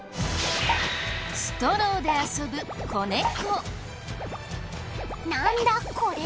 ストローで遊ぶ子猫。